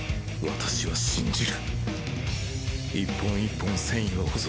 私は信じる！